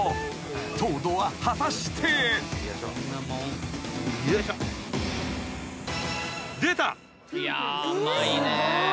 糖度は果たして］出た！